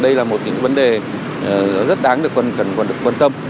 đây là một tình hình vấn đề rất đáng được quan tâm